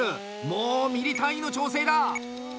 もうミリ単位の調整だ。